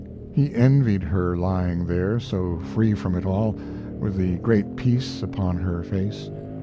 He envied her lying there, so free from it all, with the great peace upon her face.